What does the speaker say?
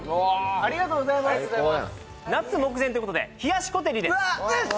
・ありがとうございます夏目前ということで冷やしコテリです・うわっ！